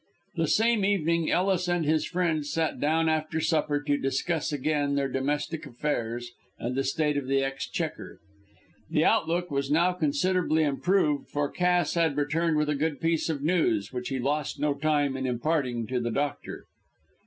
That same evening Ellis and his friend sat down after supper to discuss again their domestic affairs and the state of the exchequer. The outlook was now considerably improved, for Cass had returned with a good piece of news, which he lost no time in imparting to the doctor.